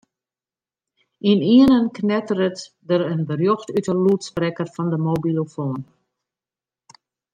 Ynienen knetteret der in berjocht út de lûdsprekker fan de mobilofoan.